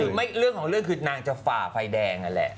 คือเรื่องของเรื่องคือนางจะฝ่าไฟแดงนั่นแหละ